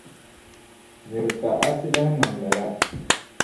Miri ka a ti lahi niŋ lala.